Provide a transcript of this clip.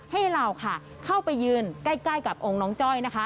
ให้เราค่ะเข้าไปยืนใกล้กับองค์น้องจ้อยนะคะ